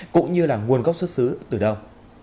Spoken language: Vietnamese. cũng như là nguồn gốc xuất xứ từ đâu